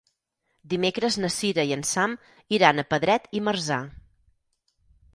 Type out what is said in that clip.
Dimecres na Sira i en Sam iran a Pedret i Marzà.